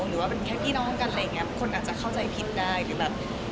หรือว่าเป็นแค่พี่น้องกันคนอาจจะเข้าใจผิดได้ต่าง